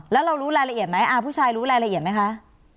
แล้วเรารู้รายละเอียดไหมผู้ชายรู้รายละเอียดไหมคะ